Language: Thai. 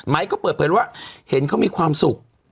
ก็เปิดเผยว่าเห็นเขามีความสุข